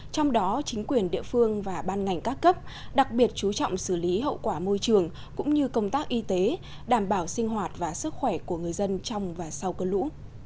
trong đó chính quyền địa phương và ban ngành các cấp đặc biệt chú trọng xử lý hậu quả môi trường cũng như công tác y tế đảm bảo sinh hoạt và sức khỏe của người dân trong và sau cơn lũ